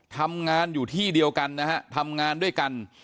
ทำงานอยู่ที่เดียวกันนะฮะทำงานด้วยกัน